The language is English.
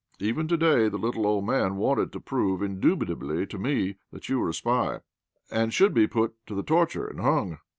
Even to day the little old man wanted to prove indubitably to me that you were a spy, and should be put to the torture and hung.